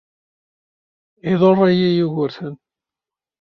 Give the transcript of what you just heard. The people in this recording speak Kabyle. Iḍurr-iyi Yugurten.